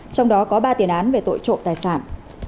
trong đó có ba tiền án về tội trộm tài sản